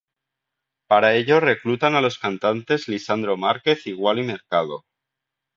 Para ello reclutan a los cantantes Lisandro Márquez y Wally Mercado.